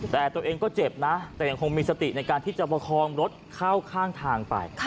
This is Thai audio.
แต่ตัวเองก็เจ็บนะแต่ยังคงมีสติในการที่จะประคองรถเข้าข้างทางไป